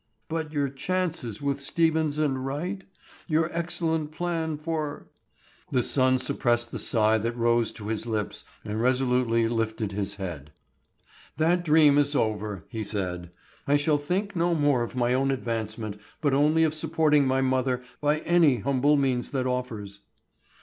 "But your chances with Stevens and Wright? Your excellent plan for—" The son suppressed the sigh that rose to his lips and resolutely lifted his head. "That dream is over," he said. "I shall think no more of my own advancement, but only of supporting my mother by any humble means that offers."